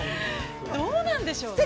◆どうなんでしょうね。